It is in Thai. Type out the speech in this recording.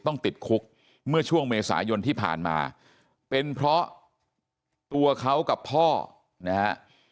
ต้องติดคุกเมื่อช่วงเมษายนที่ผ่านมาเป็นเพราะตัวเขากับพ่อนะฮะ